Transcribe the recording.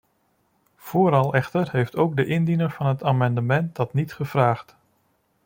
Vooral echter heeft ook de indiener van het amendement dat niet gevraagd.